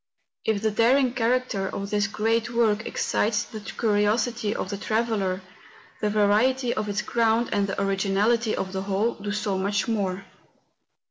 If the daring character of this great work excites the 118 MOUNTAIN ADVENTUKES. curiosity of the traveller, the variety of its ground, and the originality of the whole, do so much more.